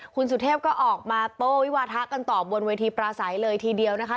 คุณสุเทพก็ออกมาโต้วิวาทะกันต่อบนเวทีปราศัยเลยทีเดียวนะคะ